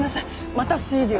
また推理を。